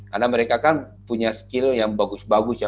karena mereka kan punya skill yang bagus bagus ya